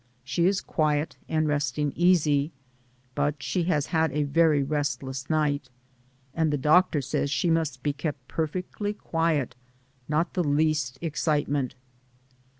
She is quiet and resting easy, but she has had a very restless night, and the doctor says she must be kept perfectly quiet; not the least excitement."